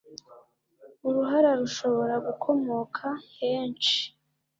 Uruhara rushobora gukomoka henshi